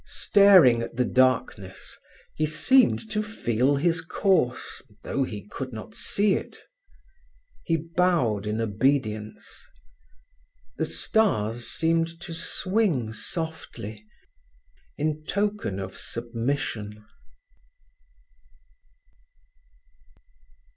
Staring at the darkness, he seemed to feel his course, though he could not see it. He bowed in obedience. The stars seemed to swing softly in token of submission.